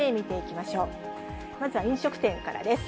まずは飲食店からです。